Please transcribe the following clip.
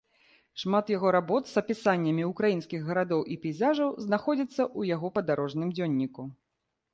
Шмат яго работ з апісаннямі ўкраінскіх гарадоў і пейзажаў знаходзяцца ў яго падарожным дзённіку.